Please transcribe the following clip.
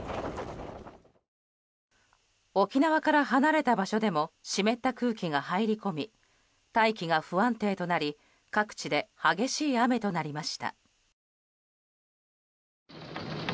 沖縄から離れた場所でも湿った空気が入り込み大気が不安定となり各地で激しい雨となりました。